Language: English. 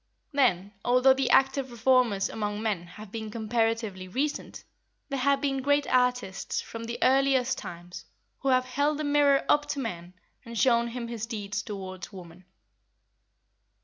Then, although the active reformers among men have been comparatively recent, there have been great artists, from the earliest times, who have held the mirror up to man and shown him his deeds towards woman.